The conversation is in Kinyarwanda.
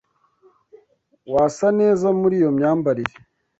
Wasa neza muri iyo myambarire.